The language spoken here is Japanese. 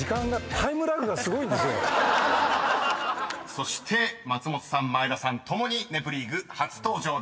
［そして松本さん前田さん共に『ネプリーグ』初登場です］